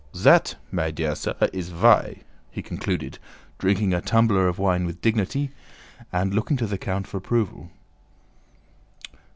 "Zat, my dear sir, is vy..." he concluded, drinking a tumbler of wine with dignity and looking to the count for approval.